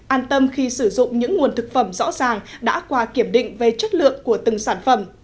an tâm khi sử dụng những nguồn thực phẩm rõ ràng đã qua kiểm định về chất lượng của từng sản phẩm